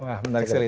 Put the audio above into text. wah menarik sekali